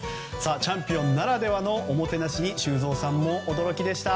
チャンピオンならではのおもてなしに修造さんも驚きでした。